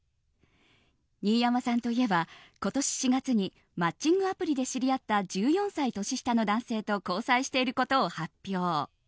新山さんといえば、今年４月にマッチングアプリで知り合った１４歳年下の男性と交際していることを発表。